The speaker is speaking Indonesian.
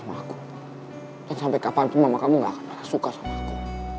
aku sampai kapan kamu nggak suka sama aku sampai kapan kamu nggak suka sama aku